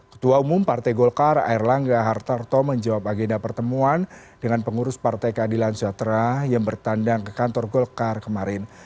ketua umum partai golkar air langga hartarto menjawab agenda pertemuan dengan pengurus partai keadilan sejahtera yang bertandang ke kantor golkar kemarin